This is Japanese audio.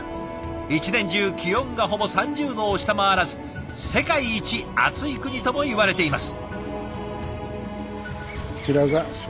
一年中気温がほぼ３０度を下回らず世界一暑い国ともいわれています。